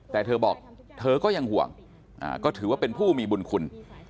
แต่เธอบอกเธอก็ยังห่วงก็ถือว่าเป็นผู้มีบุญคุณ